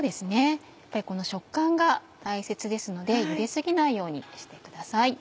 やっぱりこの食感が大切ですのでゆで過ぎないようにしてください。